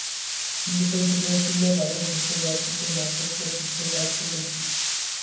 দেশের ভেতরে কিংবা বাইরে ঘুরতে যাওয়ার ক্ষেত্রে মার্কেটপ্লেস হিসেবে কাজ করবে ঘুরি।